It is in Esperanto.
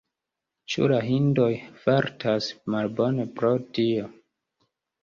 Ĉu la hindoj fartas malbone pro tio?